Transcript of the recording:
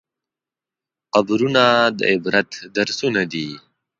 قبرونه د عبرت درسونه دي.